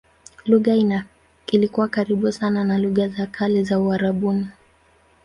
Lugha ilikuwa karibu sana na lugha za kale za Uarabuni.